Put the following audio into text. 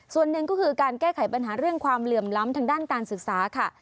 ส่วนหนึ่งก็คือการแก้ไขปัญหาเรื่องความเหลื่อมล้ำทางด้านการศึกษาค่ะ